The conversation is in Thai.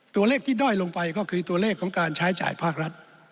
ตัวเลขที่ด้อยลงไปก็คือตัวเลขของการใช้จ่ายภาครัฐ